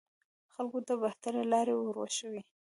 خلکو ته بهترې لارې وروښيي